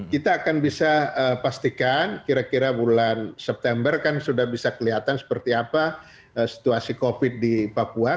kita akan bisa pastikan kira kira bulan september kan sudah bisa kelihatan seperti apa situasi covid di papua